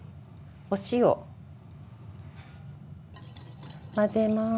お塩。混ぜます。